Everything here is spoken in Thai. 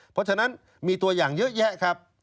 เพราะฉะนั้นมีตัวอย่างเยอะแยะครับ